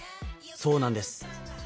そうなんです。